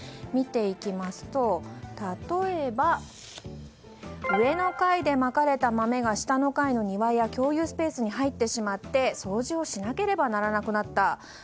見ていきますと、例えば上の階でまかれた豆が下の階の庭や共有スペースに入ってしまって掃除をしなければならなくなった。